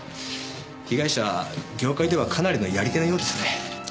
被害者は業界ではかなりのやり手のようですね。